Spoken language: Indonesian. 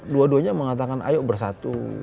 dua duanya mengatakan ayo bersatu